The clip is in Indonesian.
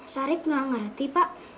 sarip gak ngerti pak